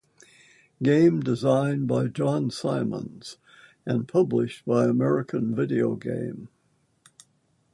Game designed by John Simonds and published by American Videogame.